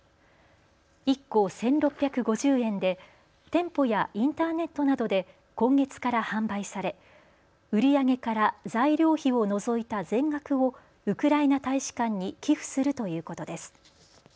１個１６５０円で店舗やインターネットなどで今月から販売され売り上げから材料費を除いた全額をウクライナ大使館に寄付するということです。